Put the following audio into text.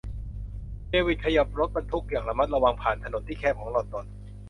เดวิดขยับรถบรรทุกอย่างระมัดระวังผ่านถนนที่แคบของลอนดอน